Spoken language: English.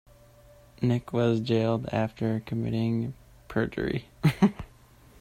Nick was jailed after committing perjury